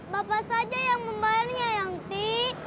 bapak saja yang membayarnya angti